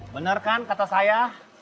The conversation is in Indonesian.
bener kan kata saya